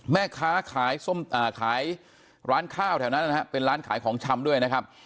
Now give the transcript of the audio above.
แม่ค้าขายร้านข้าวแถวนั้นนะครับเป็นร้านขายของชำด้วยนะครับ